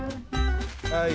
はい！